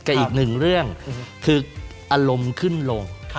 ก็อีกหนึ่งเรื่องคืออลมขึ้นลง